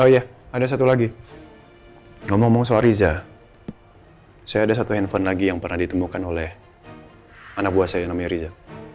ya ada satu lagi ngomong ngomong soal riza saya ada satu handphone lagi yang pernah ditemukan oleh anak buah saya namanya riza